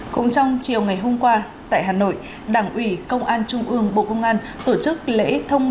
cũng trong chiều ngày hôm qua tại hà nội đảng ủy công an trung ương bộ công an tổ chức lễ thông